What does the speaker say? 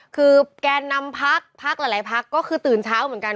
คือแกนนำพักพักหลายพักก็คือตื่นเช้าเหมือนกัน